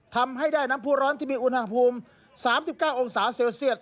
ทำให้ได้น้ำผู้ร้อนที่มีอุณหภูมิ๓๙องศาเซลเซียต